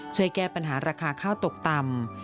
ช่วยแก้ปัญหาราคาข้าวตกต่ำ